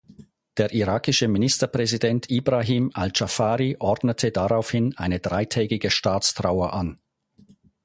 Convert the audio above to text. Der irakische Ministerpräsident Ibrahim al-Dschafari ordnete daraufhin eine dreitägige Staatstrauer an.